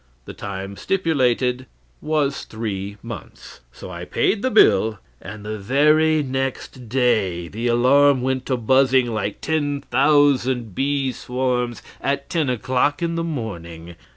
The time stipulated was three months. So I paid the bill, and the very next day the alarm went to buzzing like ten thousand bee swarms at ten o'clock in the morning.